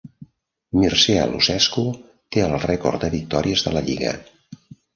Mircea Lucescu té el rècord de victòries de la lliga.